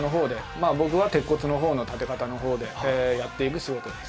まあぼくは鉄骨のほうの建方のほうでやっていく仕事です。